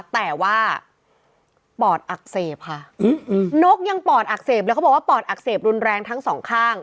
แต่ว่าปอดอักเสบค่ะนกยังปอดอักเสบเลยเขาบอกว่าปอดอักเสบรุนแรงทั้งสองข้าง